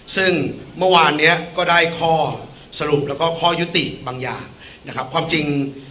ซึ่งเมื่อวานเนี้ยก็ได้ข้อสรุปแล้วก็ข้อยุติบางอย่างนะครับความจริง